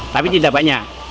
tapi tidak banyak